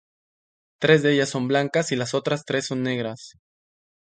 Tres de ellas son blancas y las otras tres son negras.